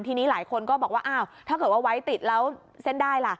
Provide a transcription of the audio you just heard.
ทีนี้หลายคนก็บอกว่าอ้าวถ้าเกิดว่าไว้ติดแล้วเส้นได้ล่ะ